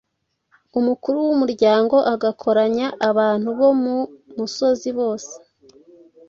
umukuru w’umuryango agakoranya abantu bo ku musozi bose